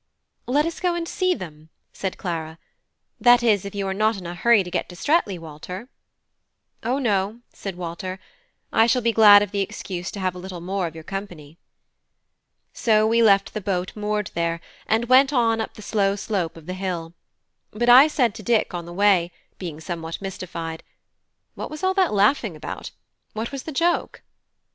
"Let us go and see them," said Clara; "that is, if you are not in a hurry to get to Streatley, Walter?" "O no," said Walter, "I shall be glad of the excuse to have a little more of your company." So we left the boat moored there, and went on up the slow slope of the hill; but I said to Dick on the way, being somewhat mystified: "What was all that laughing about? what was the joke!"